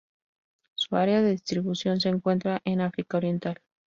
Su área de distribución se encuentra en África oriental.